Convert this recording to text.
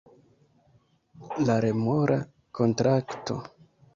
La remora kontrakto